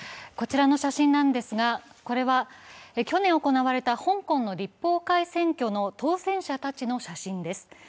こちらの写真なんですが、これは去年行われた香港の立法会選挙の当選者たちの写真です。